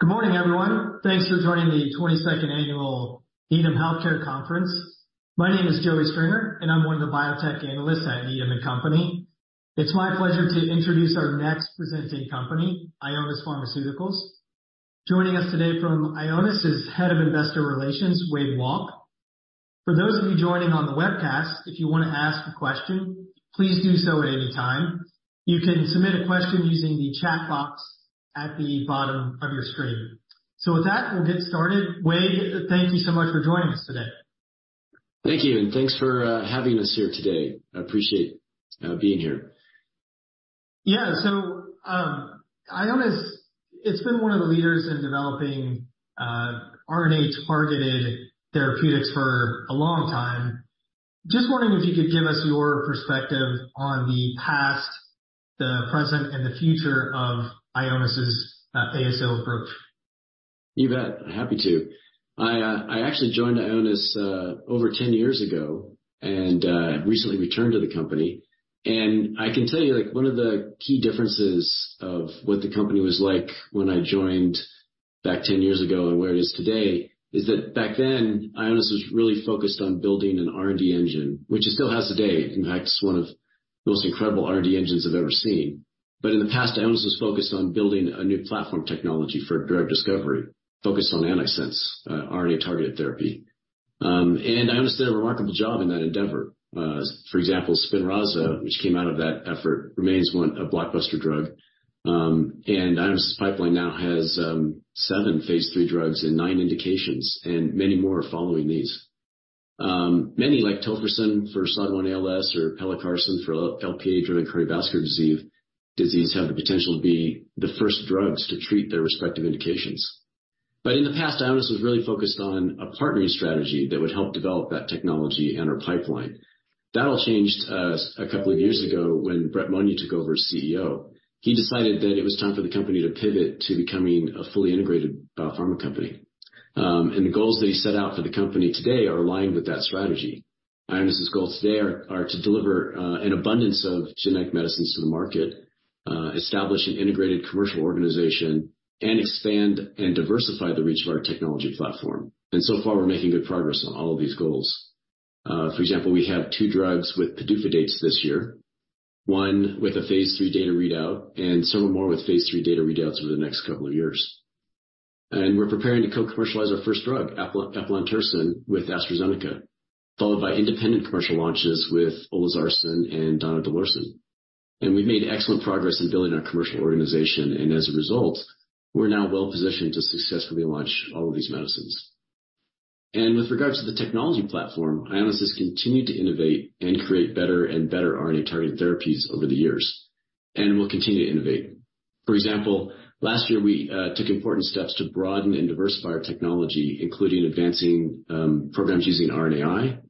Good morning, everyone. Thanks for joining the 22nd Annual Needham Healthcare Conference. My name is Joey Stringer, I'm one of the Biotech Analysts at Needham & Company. It's my pleasure to introduce our next presenting company, Ionis Pharmaceuticals. Joining us today from Ionis is Head of Investor Relations, Wade Walke. For those of you joining on the webcast, if you wanna ask a question, please do so at any time. You can submit a question using the chat box at the bottom of your screen. With that, we'll get started. Wade, thank you so much for joining us today. Thank you, and thanks for having us here today. I appreciate being here. Yeah. Ionis, it's been one of the leaders in developing RNA targeted therapeutics for a long time. Just wondering if you could give us your perspective on the past, the present, and the future of Ionis's ASO approach? You bet. Happy to. I actually joined Ionis over 10 years ago and recently returned to the company. I can tell you, like one of the key differences of what the company was like when I joined back 10 years ago and where it is today is that back then, Ionis was really focused on building an R&D engine, which it still has today. In fact, it's one of the most incredible R&D engines I've ever seen. In the past, Ionis was focused on building a new platform technology for drug discovery, focused on antisense RNA-targeted therapy. Ionis did a remarkable job in that endeavor. For example, SPINRAZA, which came out of that effort, remains a blockbuster drug. Ionis' pipeline now has seven phase III drugs and nine indications, and many more are following these. Many like Tofersen for SOD1-ALS or Pelacarsen for LPA-driven cardiovascular disease have the potential to be the first drugs to treat their respective indications. In the past, Ionis was really focused on a partnering strategy that would help develop that technology and our pipeline. That all changed a couple of years ago when Brett Monia took over as CEO. He decided that it was time for the company to pivot to becoming a fully integrated biopharma company. The goals that he set out for the company today are aligned with that strategy. Ionis' goals today are to deliver an abundance of genetic medicines to the market, establish an integrated commercial organization, and expand and diversify the reach of our technology platform. So far we're making good progress on all of these goals. For example, we have two drugs with PDUFA dates this year, one with a phase III data readout and several more with phase III data readouts over the next couple of years. We're preparing to co-commercialize our first drug, eplontersen, with AstraZeneca, followed by independent commercial launches with olezarsen and donidalorsen. We've made excellent progress in building our commercial organization, and as a result, we're now well-positioned to successfully launch all of these medicines. With regards to the technology platform, Ionis has continued to innovate and create better and better RNA-targeted therapies over the years and will continue to innovate. For example, last year we took important steps to broaden and diversify our technology, including advancing programs using RNAi,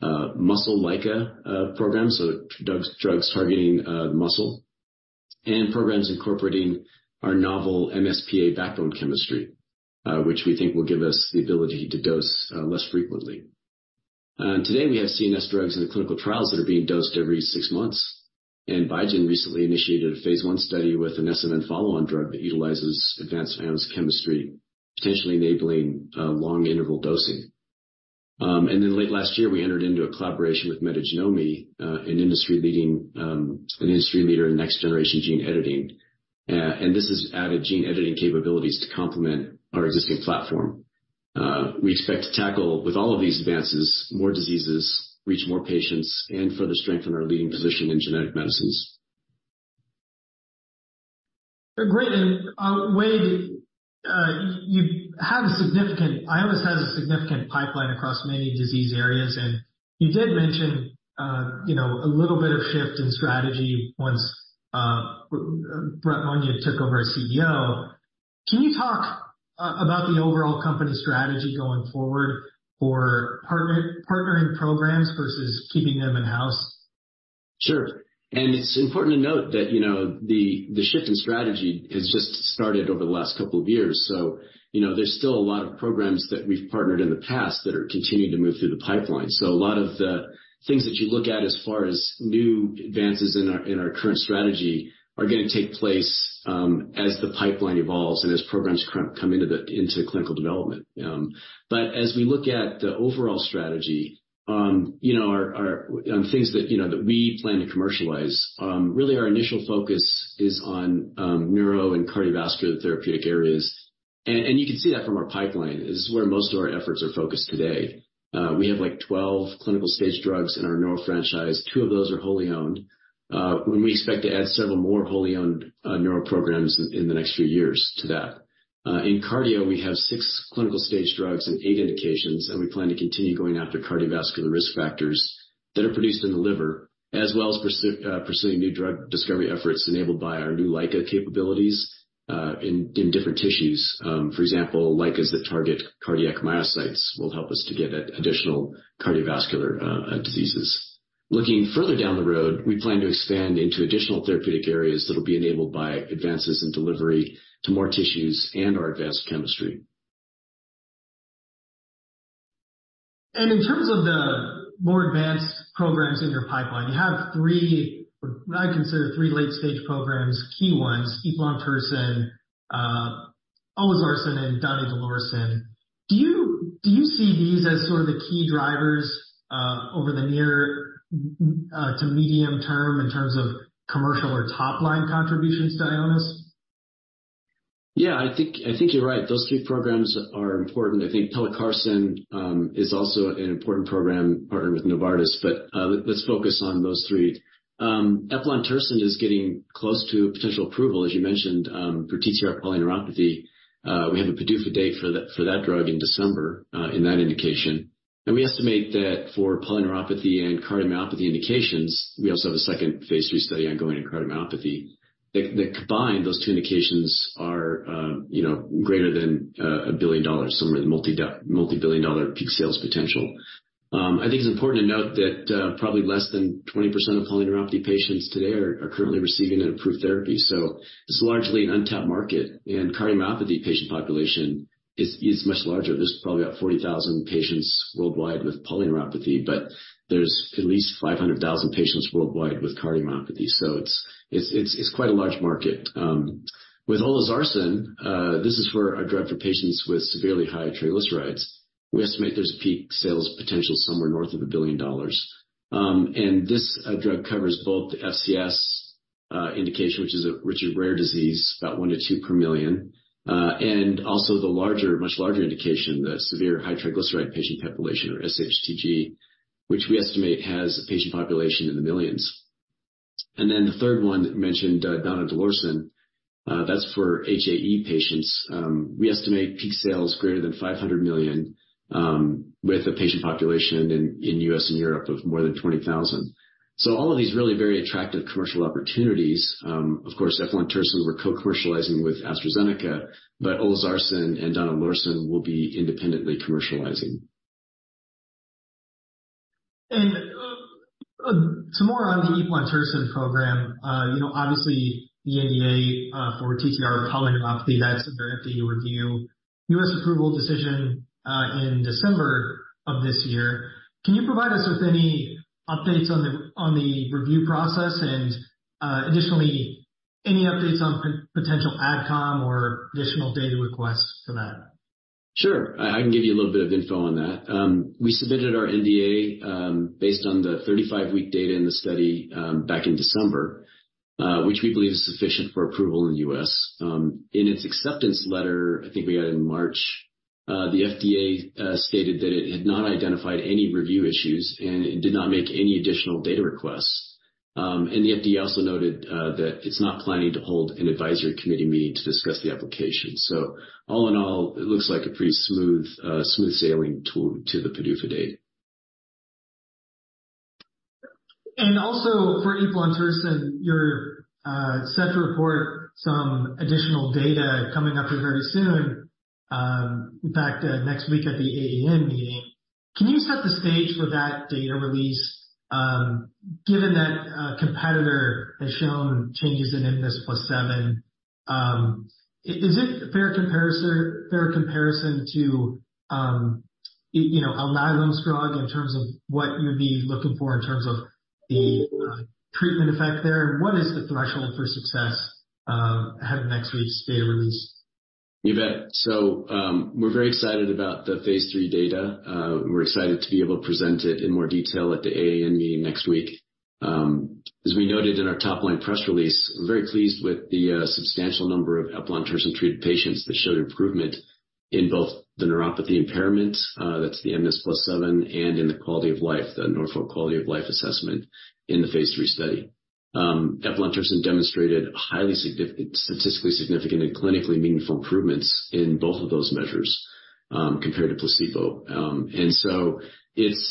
muscle LICA programs, so drugs targeting the muscle, and programs incorporating our novel MsPA backbone chemistry, which we think will give us the ability to dose less frequently. Today we have CNS drugs in the clinical trials that are being dosed every 6 months, and Biogen recently initiated a phase I study with an SMN follow-on drug that utilizes advanced Ionis chemistry, potentially enabling long interval dosing. Late last year, we entered into a collaboration with Metagenomi, an industry leader in next-generation gene editing. This has added gene editing capabilities to complement our existing platform. We expect to tackle with all of these advances, more diseases, reach more patients, and further strengthen our leading position in genetic medicines. Great. Wade, Ionis has a significant pipeline across many disease areas, and you did mention, you know, a little bit of shift in strategy once Brett Monia took over as CEO. Can you talk about the overall company strategy going forward for partnering programs versus keeping them in-house? Sure. It's important to note that, you know, the shift in strategy has just started over the last couple of years. You know, there's still a lot of programs that we've partnered in the past that are continuing to move through the pipeline. A lot of the things that you look at as far as new advances in our current strategy are gonna take place as the pipeline evolves and as programs come into clinical development. As we look at the overall strategy, you know, on things that, you know, that we plan to commercialize, really our initial focus is on neuro and cardiovascular therapeutic areas. You can see that from our pipeline. This is where most of our efforts are focused today. We have, like, 12 clinical stage drugs in our neuro franchise. Two of those are wholly owned. We expect to add several more wholly owned, neuro programs in the next few years to that. In cardio, we have six clinical stage drugs and eight indications, and we plan to continue going after cardiovascular risk factors that are produced in the liver, as well as pursuing new drug discovery efforts enabled by our new LICA capabilities, in different tissues. For example, LICAs that target cardiac myocytes will help us to get at additional cardiovascular diseases. Looking further down the road, we plan to expand into additional therapeutic areas that will be enabled by advances in delivery to more tissues and our advanced chemistry. In terms of the more advanced programs in your pipeline, you have three, what I consider three late-stage programs, key ones, eplontersen, olezarsen, and donidalorsen. Do you see these as sort of the key drivers over the near to medium term in terms of commercial or top-line contribution to Ionis? Yeah. I think you're right. Those three programs are important. I think Pelacarsen is also an important program partnered with Novartis, but let's focus on those three. eplontersen is getting close to potential approval, as you mentioned, for TTR polyneuropathy. We have a PDUFA date for that drug in December in that indication. We estimate that for polyneuropathy and cardiomyopathy indications, we also have a second phase III study ongoing in cardiomyopathy, that combined, those two indications are, you know, greater than $1 billion, somewhere in the multi-billion dollar peak sales potential. I think it's important to note that probably less than 20% of polyneuropathy patients today are currently receiving an approved therapy, so this is largely an untapped market. Cardiomyopathy patient population is much larger. There's probably about 40,000 patients worldwide with polyneuropathy, but there's at least 500,000 patients worldwide with cardiomyopathy. It's quite a large market. With olezarsen, this is for a drug for patients with severely high triglycerides. We estimate there's a peak sales potential somewhere north of $1 billion. This drug covers both the FCS indication, which is a rare disease, about 1-2 per million, and also the larger, much larger indication, the severe high triglyceride patient population or SHTG, which we estimate has a patient population in the millions. The third one mentioned, donidalorsen, that's for HAE patients. We estimate peak sales greater than $500 million, with a patient population in U.S. and Europe of more than 20,000. All of these really very attractive commercial opportunities, of course, eplontersen we're co-commercializing with AstraZeneca, but olezarsen and donidalorsen we'll be independently commercializing. More on the eplontersen program. You know, obviously the NDA for TTR polyneuropathy, that's under FDA review. U.S approval decision in December of this year. Can you provide us with any updates on the review process and additionally, any updates on potential adcom or additional data requests for that? Sure. I can give you a little bit of info on that. We submitted our NDA based on the 35-week data in the study back in December, which we believe is sufficient for approval in the U.S. In its acceptance letter, I think we got in March, the FDA stated that it had not identified any review issues and did not make any additional data requests. The FDA also noted that it's not planning to hold an advisory committee meeting to discuss the application. All in all, it looks like a pretty smooth smooth sailing to the PDUFA date. Also for eplontersen, you're set to report some additional data coming up very soon, in fact, next week at the AAN meeting. Can you set the stage for that data release, given that a competitor has shown changes in mNIS+7? Is it a fair comparison to you know, Alnylam in terms of what you'd be looking for in terms of the treatment effect there? What is the threshold for success ahead of next week's data release? You bet. We're very excited about the phase III data. We're excited to be able to present it in more detail at the AAN meeting next week. As we noted in our top-line press release, we're very pleased with the substantial number of eplontersen-treated patients that showed improvement in both the neuropathy impairment, that's the mNIS+7, and in the quality of life, the Norfolk Quality of Life assessment in the phase III study. eplontersen demonstrated highly statistically significant and clinically meaningful improvements in both of those measures compared to placebo.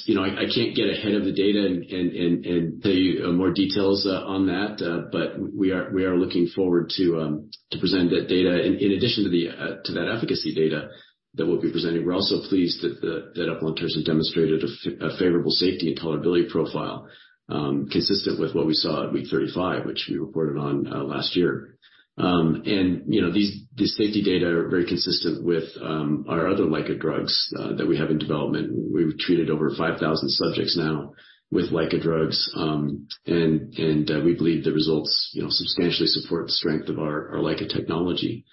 You know, I can't get ahead of the data and tell you more details on that, but we are looking forward to present that data. In addition to the efficacy data that we'll be presenting, we're also pleased that eplontersen demonstrated a favorable safety and tolerability profile, consistent with what we saw at week 35, which we reported on last year. And, you know, these safety data are very consistent with our other LICA drugs that we have in development. We've treated over 5,000 subjects now with LICA drugs, and we believe the results, you know, substantially support the strength of our LICA technology.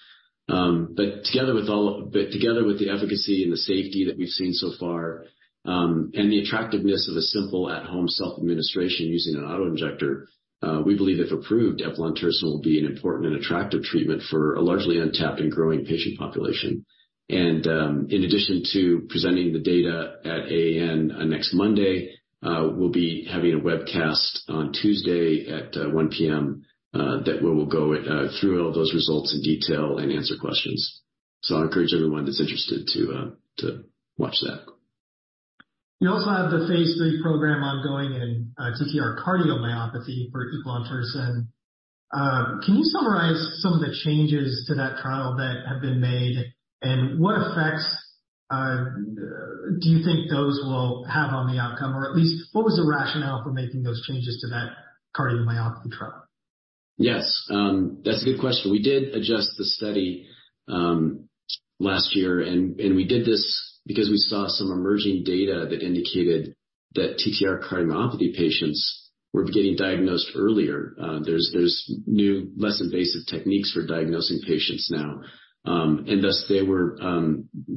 Together with the efficacy and the safety that we've seen so far, and the attractiveness of a simple at-home self-administration using an auto-injector, we believe if approved, eplontersen will be an important and attractive treatment for a largely untapped and growing patient population. In addition to presenting the data at AAN next Monday, we'll be having a webcast on Tuesday at 1:00 P.M. that we will go through all those results in detail and answer questions. I encourage everyone that's interested to watch that. You also have the phase III program ongoing in TTR cardiomyopathy for eplontersen. Can you summarize some of the changes to that trial that have been made, and what effects do you think those will have on the outcome? Or at least what was the rationale for making those changes to that cardiomyopathy trial? Yes. That's a good question. We did adjust the study last year, and we did this because we saw some emerging data that indicated that TTR cardiomyopathy patients were getting diagnosed earlier. There's new less invasive techniques for diagnosing patients now, and thus they were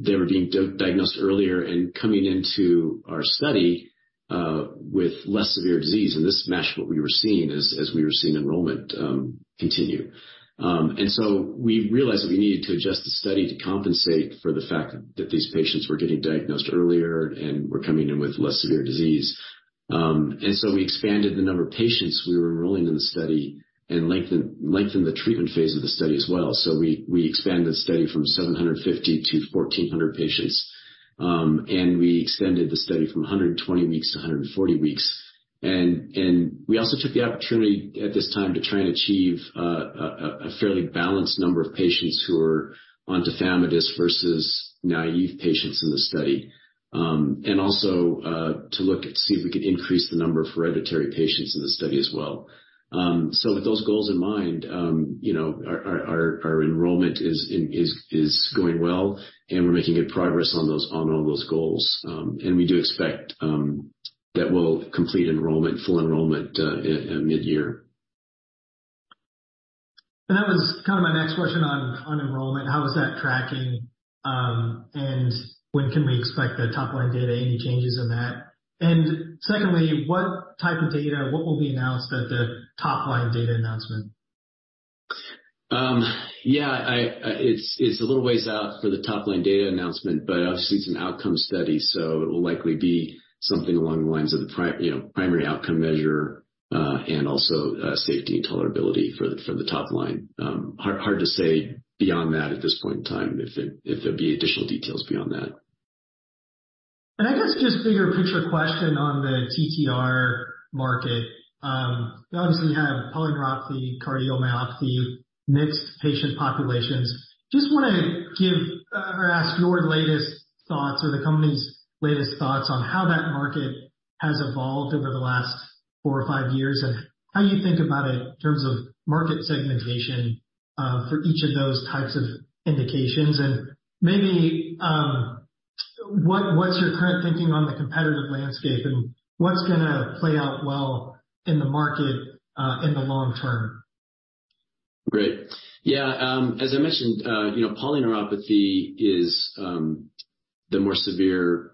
being diagnosed earlier and coming into our study with less severe disease, and this matched what we were seeing as we were seeing enrollment continue. So we realized that we needed to adjust the study to compensate for the fact that these patients were getting diagnosed earlier and were coming in with less severe disease. So we expanded the number of patients we were enrolling in the study and lengthened the treatment phase of the study as well. We expanded the study from 750-1,400 patients, and we extended the study from 120 weeks to 140 weeks. We also took the opportunity at this time to try and achieve a fairly balanced number of patients who are on tafamidis versus naive patients in the study, and also to look and see if we could increase the number of hereditary patients in the study as well. With those goals in mind, you know, our enrollment is going well, and we're making good progress on those, on all those goals. We do expect that we'll complete enrollment, full enrollment, at mid-year. That was kinda my next question on enrollment. How is that tracking, and when can we expect the top line data? Any changes in that? Secondly, what type of data, what will be announced at the top line data announcement? Yeah. I, it's a little ways out for the top line data announcement. Obviously it's an outcome study. It will likely be something along the lines of the you know, primary outcome measure, and also, safety and tolerability for the top line. Hard to say beyond that at this point in time, if there'll be additional details beyond that. I guess just bigger picture question on the TTR market. You obviously have polyneuropathy, cardiomyopathy, mixed patient populations. Just wanna give or ask your latest thoughts or the company's latest thoughts on how that market has evolved over the last four or five years, and how you think about it in terms of market segmentation for each of those types of indications. Maybe what's your current thinking on the competitive landscape and what's gonna play out well in the market in the long term? Great. Yeah. As I mentioned, you know, polyneuropathy is the more severe.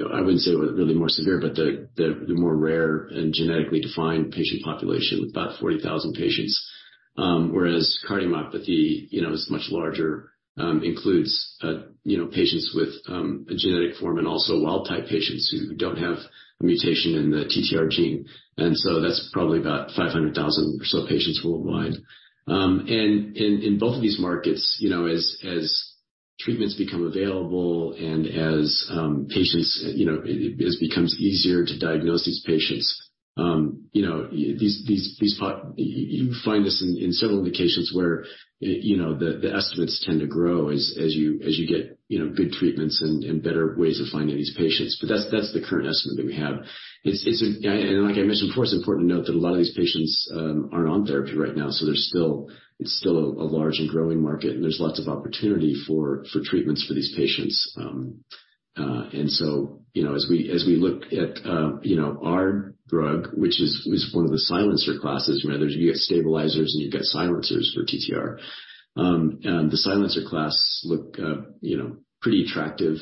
I wouldn't say really more severe, but the more rare and genetically defined patient population, with about 40,000 patients. Whereas cardiomyopathy, you know, is much larger, includes, you know, patients with a genetic form and also wild type patients who don't have a mutation in the TTR gene. That's probably about 500,000 or so patients worldwide. In both of these markets, you know, as treatments become available and as patients, you know, as it becomes easier to diagnose these patients, you know. You find this in several indications where, you know, the estimates tend to grow as you get, you know, good treatments and better ways of finding these patients. That's the current estimate that we have. It's. Like I mentioned before, it's important to note that a lot of these patients aren't on therapy right now, so there's still, it's still a large and growing market, and there's lots of opportunity for treatments for these patients. You know, as we look at, you know, our drug, which is one of the silencer classes, you get stabilizers and you've got silencers for TTR. The silencer class look, you know, pretty attractive,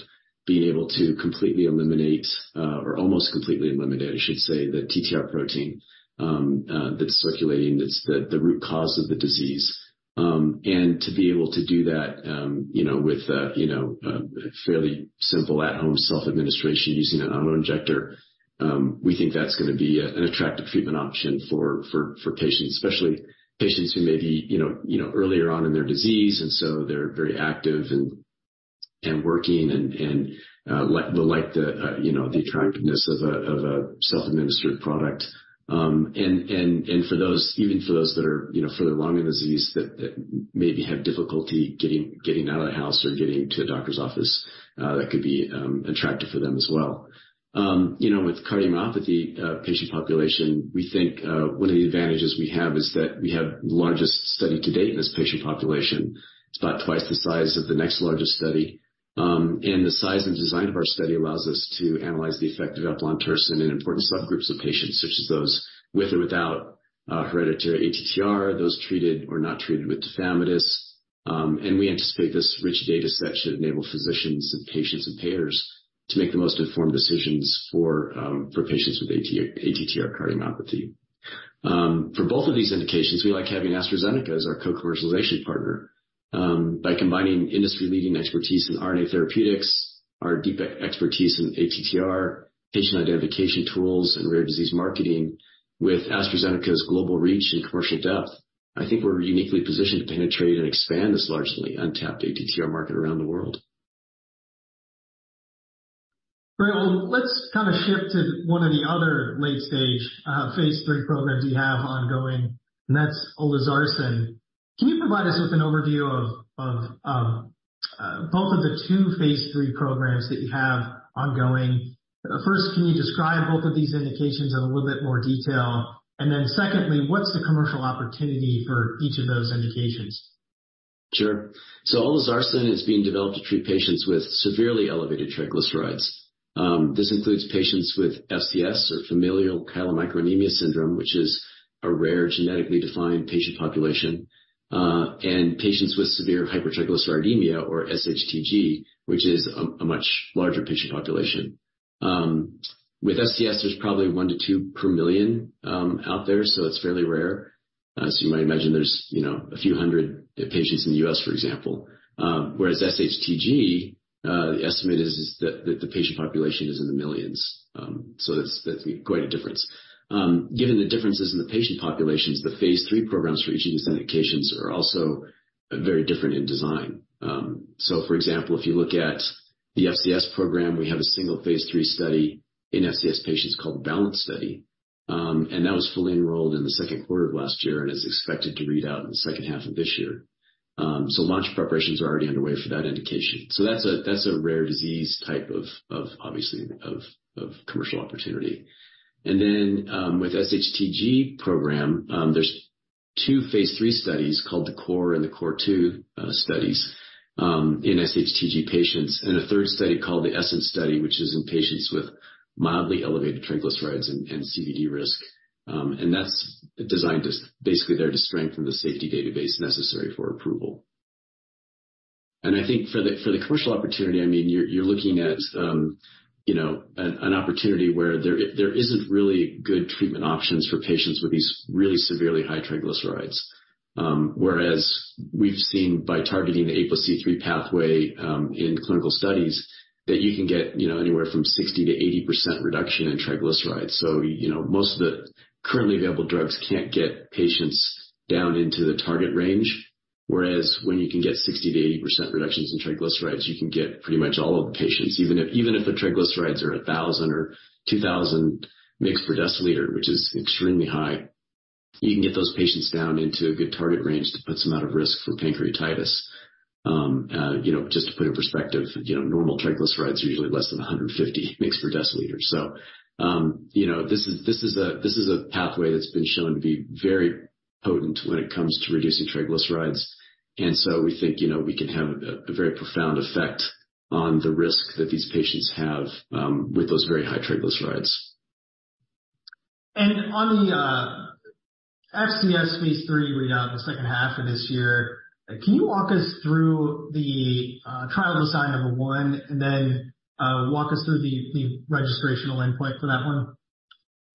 being able to completely eliminate, or almost completely eliminate, I should say, the TTR protein, that's circulating. That's the root cause of the disease. To be able to do that, you know, with, you know, a fairly simple at home self-administration using an auto-injector, we think that's gonna be an attractive treatment option for patients, especially patients who may be, you know, earlier on in their disease and so they're very active and working and will like the, you know, the attractiveness of a self-administered product. And for those, even for those that are, you know, further along in the disease that maybe have difficulty getting out of the house or getting to a doctor's office, that could be attractive for them as well. You know, with cardiomyopathy patient population, we think, one of the advantages we have is that we have the largest study to date in this patient population. It's about twice the size of the next largest study. The size and design of our study allows us to analyze the effect of eplontersen in important subgroups of patients, such as those with or without hereditary ATTR, those treated or not treated with tafamidis. We anticipate this rich data set should enable physicians and patients and payers to make the most informed decisions for patients with ATTR cardiomyopathy. For both of these indications, we like having AstraZeneca as our co-commercialization partner. By combining industry-leading expertise in RNA therapeutics, our deep expertise in ATTR, patient identification tools, and rare disease marketing with AstraZeneca's global reach and commercial depth, I think we're uniquely positioned to penetrate and expand this largely untapped ATTR market around the world. Great. Well, let's kinda shift to one of the other late stage, phase III programs you have ongoing, and that's olezarsen. Can you provide us with an overview of both of the two phase III programs that you have ongoing. First, can you describe both of these indications in a little bit more detail? Secondly, what's the commercial opportunity for each of those indications? Sure. olezarsen is being developed to treat patients with severely elevated triglycerides. This includes patients with FCS or familial chylomicronemia syndrome, which is a rare genetically defined patient population, and patients with severe hypertriglyceridemia or SHTG, which is a much larger patient population. With FCS there's probably 1-2 per million out there, so it's fairly rare. As you might imagine, there's, you know, a few hundred patients in the U.S., for example, whereas SHTG, the estimate is that the patient population is in the millions. That's quite a difference. Given the differences in the patient populations, the phase III programs for each of these indications are also very different in design. For example, if you look at the FCS program, we have a single phase III study in FCS patients called Balance study. That was fully enrolled in the 2nd quarter of last year and is expected to read out in the 2nd half of this year. Launch preparations are already underway for that indication. That's a rare disease type of, obviously, of commercial opportunity. Then, with SHTG program, there's two phase III studies called the CORE and the CORE2 studies in SHTG patients, and a 3rd study called the Essence study, which is in patients with mildly elevated triglycerides and CVD risk. That's designed as basically there to strengthen the safety database necessary for approval. I think for the commercial opportunity, I mean, you're looking at, you know, an opportunity where there isn't really good treatment options for patients with these really severely high triglycerides. Whereas we've seen by targeting the APOC3 pathway, in clinical studies that you can get, you know, anywhere from 60%-80% reduction in triglycerides. You know, most of the currently available drugs can't get patients down into the target range, whereas when you can get 60%-80% reductions in triglycerides, you can get pretty much all of the patients, even if, even if the triglycerides are 1,000mgs or 2,000 mgs per deciliter, which is extremely high, you can get those patients down into a good target range that puts them out of risk for pancreatitis. You know, just to put in perspective, you know, normal triglycerides are usually less than 150 mgs per deciliter. you know, this is a pathway that's been shown to be very potent when it comes to reducing triglycerides. We think, you know, we can have a very profound effect on the risk that these patients have with those very high triglycerides. On the FCS phase III readout in the second half of this year, can you walk us through the trial design number one and then walk us through the registrational endpoint for that one?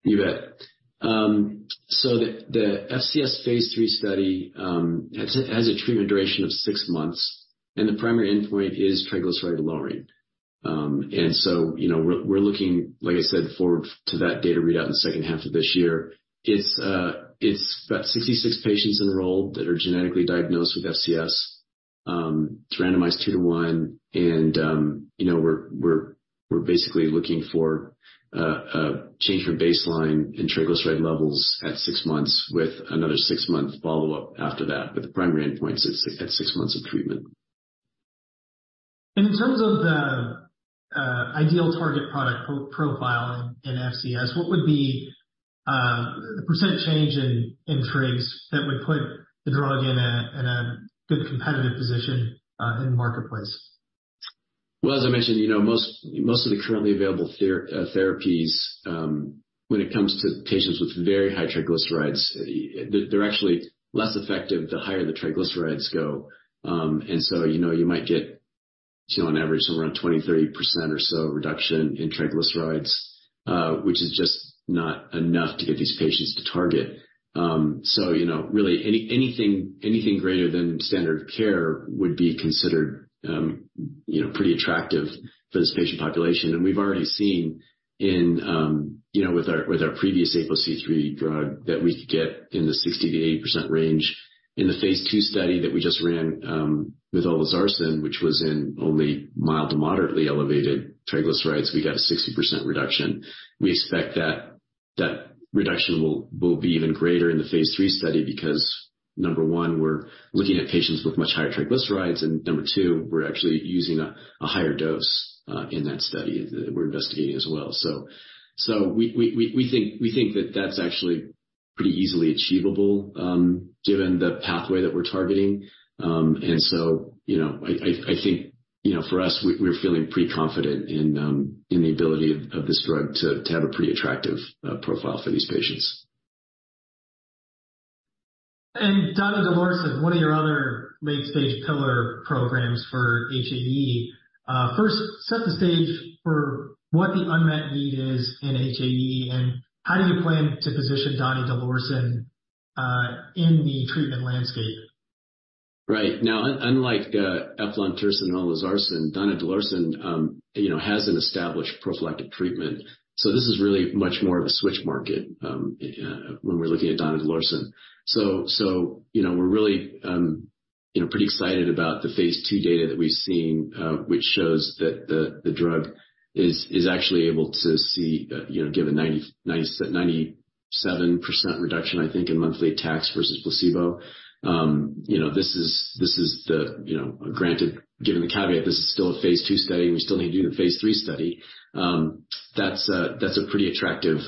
You bet. The FCS phase III study has a treatment duration of 6 months, and the primary endpoint is triglyceride lowering. You know, we're looking, like I said, forward to that data readout in the second half of this year. It's about 66 patients enrolled that are genetically diagnosed with FCS. It's randomized 2 to 1, and you know, we're basically looking for a change from baseline in triglyceride levels at 6 months with another 6-month follow-up after that. The primary endpoint is at 6 months of treatment. In terms of the ideal target product profile in FCS, what would be the percent change in trigs that would put the drug in a good competitive position in the marketplace? Well, as I mentioned, you know, most of the currently available therapies, when it comes to patients with very high triglycerides, they're actually less effective the higher the triglycerides go. So, you know, you might get, you know, on average somewhere around 20%-30% or so reduction in triglycerides, which is just not enough to get these patients to target. So you know, really anything greater than standard care would be considered, you know, pretty attractive for this patient population. We've already seen in, you know, with our previous APOC3 drug that we could get in the 60%-80% range. In the phase II study that we just ran, with olezarsen, which was in only mild to moderately elevated triglycerides, we got a 60% reduction. We expect that reduction will be even greater in the phase III study because, number one, we're looking at patients with much higher triglycerides, and number two, we're actually using a higher dose in that study that we're investigating as well. We think that that's actually pretty easily achievable, given the pathway that we're targeting. you know, I think, you know, for us, we're feeling pretty confident in the ability of this drug to have a pretty attractive profile for these patients. donidalorsen, one of your other late-stage pillar programs for HAE. First, set the stage for what the unmet need is in HAE and how do you plan to position donidalorsen in the treatment landscape? Right. Now, unlike eplontersen and olezarsen, donidalorsen, you know, has an established prophylactic treatment. This is really much more of a switch market when we're looking at donidalorsen. You know, we're really, you know, pretty excited about the phase II data that we've seen, which shows that the drug is actually able to see, you know, give a 97% reduction, I think, in monthly attacks versus placebo. You know, this is the, you know, given the caveat, this is still a phase II study, and we still need to do the phase III study. That's a pretty attractive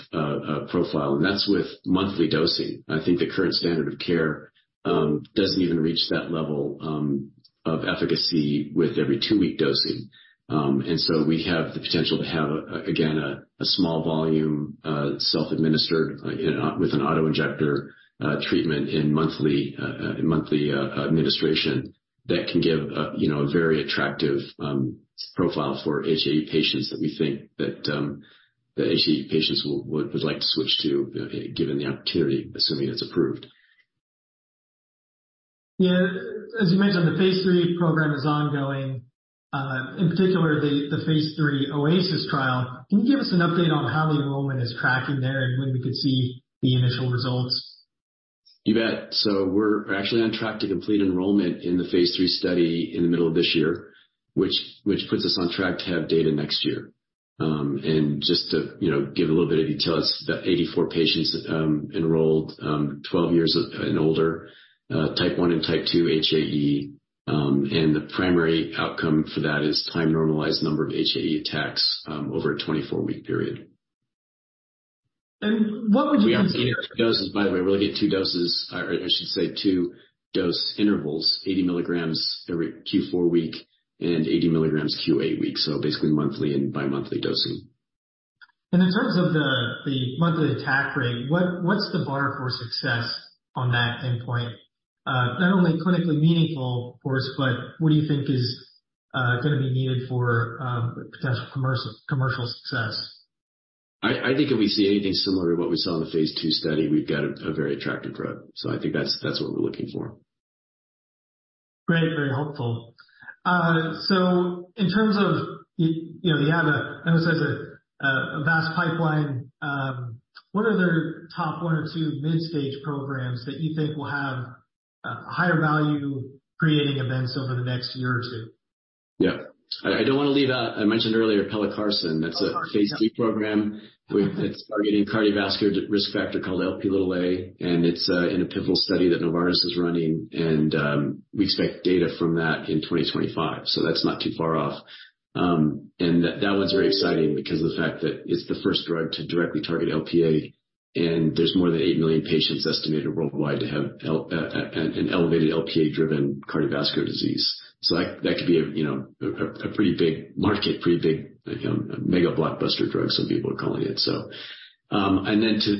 profile, and that's with monthly dosing. I think the current standard of care doesn't even reach that level of efficacy with every two-week dosing. We have the potential to have, again, a small volume, self-administered, with an auto-injector, treatment in monthly administration that can give, you know, a very attractive profile for HAE patients that we think that the HAE patients would like to switch to, given the opportunity, assuming it's approved. Yeah. As you mentioned, the phase III program is ongoing, in particular, the phase III OASIS-HAE trial. Can you give us an update on how the enrollment is tracking there and when we could see the initial results? You bet. We're actually on track to complete enrollment in the phase III study in the middle of this year, which puts us on track to have data next year. Just to, you know, give a little bit of details, about 84 patients enrolled, 12 years and older, Type 1 and Type 2 HAE. The primary outcome for that is time-normalized number of HAE attacks over a 24-week period. What would you consider- Doses, by the way, we only get two doses, or I should say two dose intervals, 80 mgs every Q4 week and 80 mgs Q8 weeks. Basically monthly and bimonthly dosing. In terms of the monthly attack rate, what's the bar for success on that endpoint? Not only clinically meaningful, of course, but what do you think is gonna be needed for potential commercial success? I think if we see anything similar to what we saw in the phase II study, we've got a very attractive drug. I think that's what we're looking for. Great. Very helpful. In terms of, you know, you have a, I would say it's a vast pipeline. What are the top one or two mid-stage programs that you think will have higher value creating events over the next year or two? I mentioned earlier Pelacarsen. That's a phase III program. It's targeting cardiovascular risk factor called Lp(a), it's in a pivotal study that Novartis is running, we expect data from that in 2025. That's not too far off. That one's very exciting because of the fact that it's the first drug to directly target Lp(a), there's more than 8 million patients estimated worldwide to have an elevated Lp(a) driven cardiovascular disease. That could be a, you know, a pretty big market, pretty big, you know, mega blockbuster drug, some people are calling it.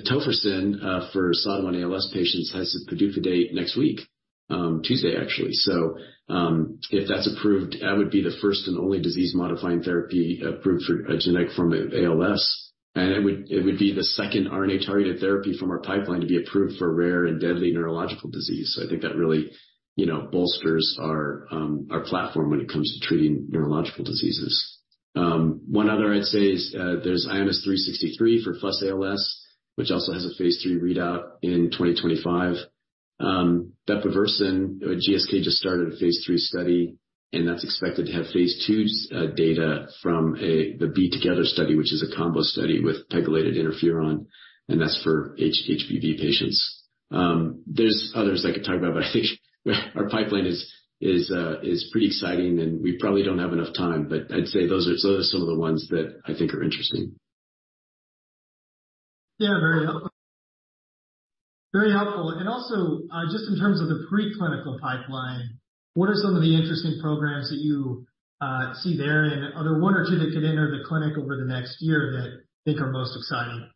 Tofersen for SOD1 ALS patients has a PDUFA date next week, Tuesday, actually. If that's approved, that would be the first and only disease-modifying therapy approved for a genetic form of ALS. It would be the second RNA-targeted therapy from our pipeline to be approved for a rare and deadly neurological disease. I think that really, you know, bolsters our platform when it comes to treating neurological diseases. One other I'd say is there's ION363 for FUS-ALS, which also has a phase III readout in 2025. Bepirovirsen, GSK just started a phase III study, and that's expected to have phase II data from the B-Together study, which is a combo study with pegylated interferon, and that's for [hepatitis B] patients. There's others I could talk about, but I think our pipeline is pretty exciting, and we probably don't have enough time. I'd say those are some of the ones that I think are interesting. Yeah. Very helpful. Very helpful. Also, just in terms of the preclinical pipeline, what are some of the interesting programs that you see there? Are there one or two that could enter the clinic over the next year that you think are most exciting?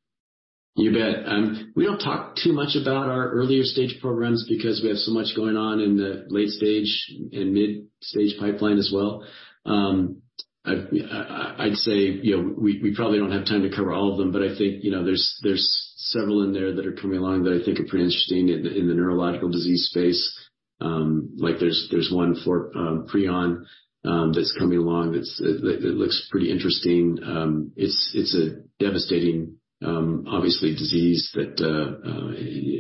You bet. We don't talk too much about our earlier stage programs because we have so much going on in the late stage and mid stage pipeline as well. I'd say, you know, we probably don't have time to cover all of them, but I think, you know, there's several in there that are coming along that I think are pretty interesting in the neurological disease space. Like there's one for prion that's coming along. It looks pretty interesting. It's a devastating obviously disease that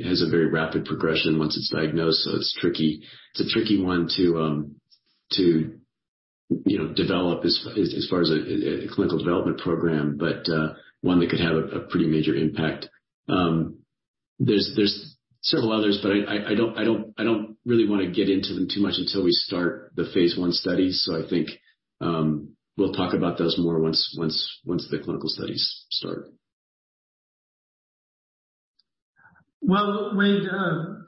has a very rapid progression once it's diagnosed. It's tricky. It's a tricky one to, you know, develop as far as a clinical development program, but one that could have a pretty major impact. There's several others, but I don't really wanna get into them too much until we start the phase I studies. I think, we'll talk about those more once the clinical studies start. Well, Wade,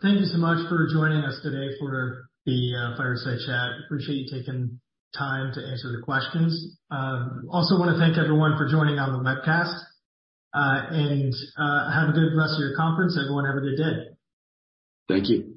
thank you so much for joining us today for the Fireside Chat. Appreciate you taking time to answer the questions. Also wanna thank everyone for joining on the webcast and have a good rest of your conference. Everyone, have a good day. Thank you.